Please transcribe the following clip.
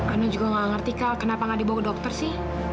anu juga gak ngerti kak kenapa gak dibawa ke dokter sih